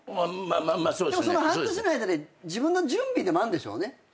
でもその半年の間で自分の準備でもあるんでしょうね。